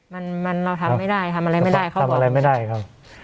มันมันเราทำไม่ได้ทำอะไรไม่ได้เขาทำอะไรไม่ได้ครับ